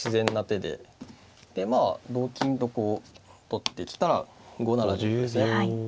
でまあ同金とこう取ってきたら５七銀ですね。